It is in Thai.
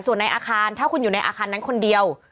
ส่วนในอาคารถ้าคุณอยู่ในอาคารนั้นคนเดียว